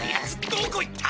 どこ行った？